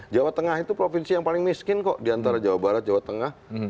jawa tengah itu provinsi yang paling miskin kok diantara jawa barat jawa tengah